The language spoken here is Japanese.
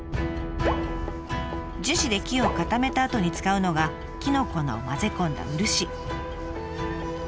樹脂で木を固めたあとに使うのが木の粉を混ぜ込んだ漆。